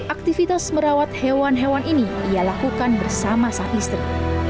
aktivitas merawat hewan hewan ini ia lakukan bersama sang istri